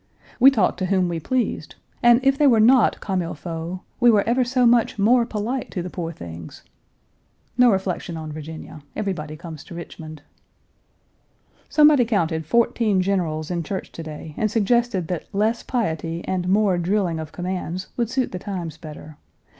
We talked to whom, we pleased, and if they were not comme il faut, we were ever so much more polite to the poor things. No reflection on Virginia. Everybody comes to Richmond. Somebody counted fourteen generals in church to day, and suggested that less piety and more drilling of commands would suit the times better.